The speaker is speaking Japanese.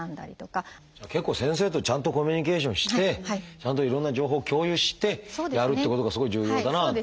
じゃあ結構先生とちゃんとコミュニケーションしてちゃんといろんな情報を共有してやるってことがすごい重要だなという。